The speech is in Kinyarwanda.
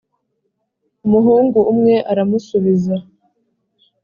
Umuhungu umwe aramusubiza